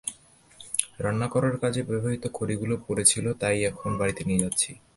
রান্নার করার কাজে ব্যবহূত খড়িগুলো পড়ে ছিল, তা-ই এখন বাড়িতে নিয়ে যাচ্ছি।